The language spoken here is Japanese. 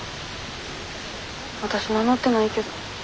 わたし名乗ってないけど。